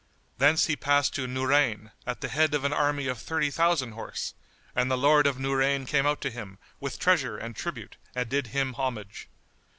Thence he passed to Núrayn,[FN#76] at the head of an army of thirty thousand horse, and the Lord of Nurayn came out to him, with treasure and tribute, and did him homage.